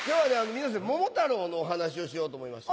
皆さんに桃太郎のお話をしようと思いまして。